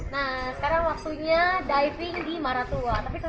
kami sudah menikmati keindahan taman bawah lautnya